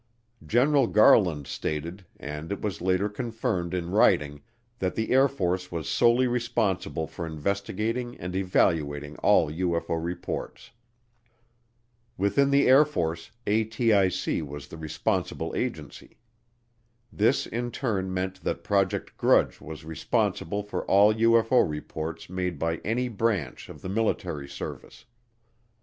General Garland stated, and it was later confirmed in writing, that the Air Force was solely responsible for investigating and evaluating all UFO reports. Within the Air Force, ATIC was the responsible agency. This in turn meant that Project Grudge was responsible for all UFO reports made by any branch of the military service.